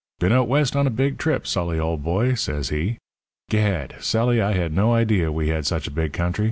'Been out West on a big trip, Sully, old boy,' says he. 'Gad! Sully, I had no idea we had such a big country.